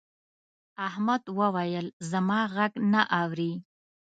احمد وويل: زما غږ نه اوري.